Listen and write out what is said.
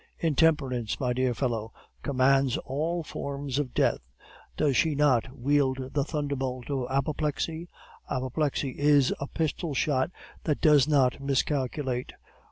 Intemperance, my dear fellow, commands all forms of death. Does she not wield the thunderbolt of apoplexy? Apoplexy is a pistol shot that does not miscalculate.